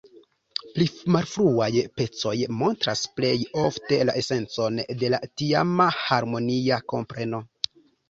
Pli malfruaj pecoj montras plej ofte la esencon de la tiama harmonia kompreno.